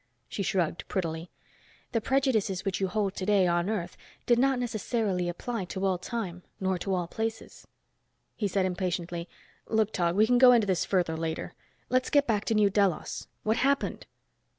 She shrugged prettily. "The prejudices which you hold today, on Earth, do not necessarily apply to all time, nor to all places." He said, impatiently, "Look, Tog, we can go into this further, later. Let's get back to New Delos. What happened?"